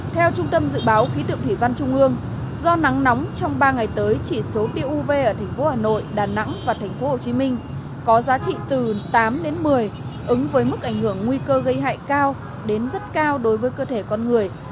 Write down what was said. theo trung tâm dự báo khí tượng thủy văn trung ương do nắng nóng trong ba ngày tới chỉ số tiêu uv ở thành phố hà nội đà nẵng và tp hcm có giá trị từ tám đến một mươi ứng với mức ảnh hưởng nguy cơ gây hại cao đến rất cao đối với cơ thể con người